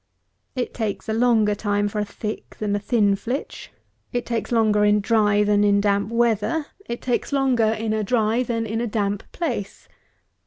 It takes a longer time for a thick than for a thin flitch; it takes longer in dry, than in damp weather; it takes longer in a dry than in a damp place.